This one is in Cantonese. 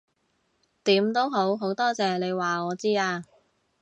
點都好，好多謝你話我知啊